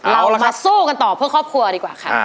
เรามาสู้กันต่อเพื่อครอบครัวดีกว่าค่ะ